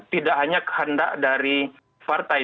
tidak hanya kehendak dari partai